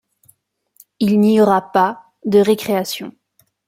Il n’y aura pas de récréation.